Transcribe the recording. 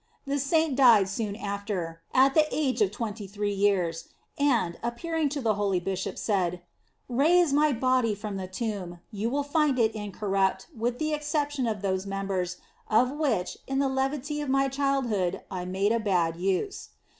The Saint died soon after, at the age of 68 The Sign of the Cross twenty three years, and, appearing to the holy bishop, said: "Raise my body from the tumb. You will find it incorrupt, with the exception of those members, of which, in the levity of my childhood, I made a bad use."